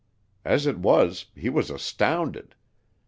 As it was, he was astounded.